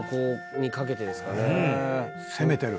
攻めてる。